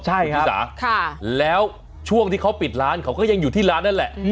ใช่คุณชิสาแล้วช่วงที่เขาปิดร้านเขาก็ยังอยู่ที่ร้านนั่นแหละ